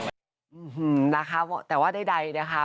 หื้อหืมนะครับแต่ว่าใดนะคะ